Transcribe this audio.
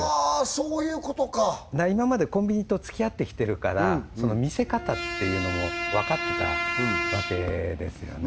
そういうことか今までコンビニとつきあってきてるからその見せ方っていうのも分かってたわけですよね